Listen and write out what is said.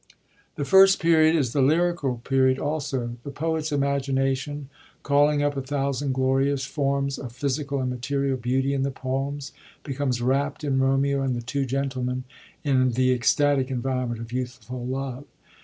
The First Period is the lyrical period also. The poet's imagination, calling up a thousand glorious forms of physical and material beauty in the poems, becomes rapt in Bovneo and The Tuoo Gentlemen in the ecstatic environment of youthful love.